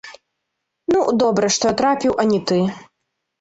Ну, добра, што я трапіў, а не ты!